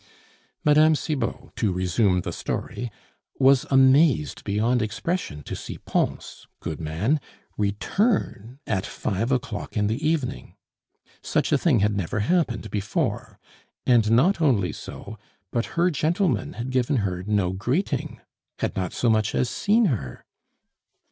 Mme. Cibot, to resume the story, was amazed beyond expression to see Pons, good man, return at five o'clock in the evening. Such a thing had never happened before; and not only so, but "her gentleman" had given her no greeting had not so much as seen her!